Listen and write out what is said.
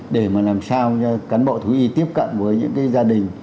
để mà làm sao cho cán bộ thú y tiếp cận với những gia đình